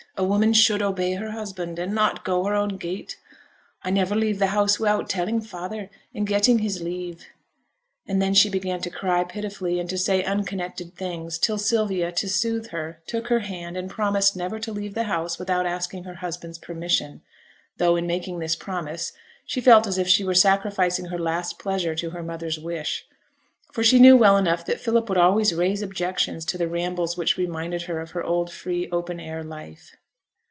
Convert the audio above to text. A woman should obey her husband, and not go her own gait. I never leave the house wi'out telling father, and getting his leave.' And then she began to cry pitifully, and to say unconnected things, till Sylvia, to soothe her, took her hand, and promised never to leave the house without asking her husband's permission, though in making this promise, she felt as if she were sacrificing her last pleasure to her mother's wish; for she knew well enough that Philip would always raise objections to the rambles which reminded her of her old free open air life.